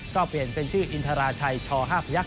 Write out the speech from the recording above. ก็เปลี่ยนเป็นชื่ออินทราชัยช๕พยักษ